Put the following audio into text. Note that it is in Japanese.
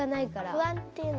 不安っていうのはある。